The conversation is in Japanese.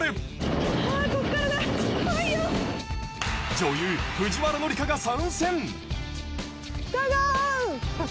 女優藤原紀香が参戦。